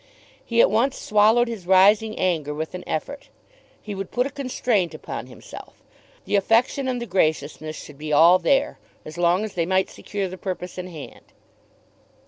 He at once swallowed his rising anger with an effort. He would put a constraint upon himself. The affection and the graciousness should be all there, as long as they might secure the purpose in hand.